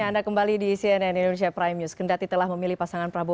demokrat papua lukas nmb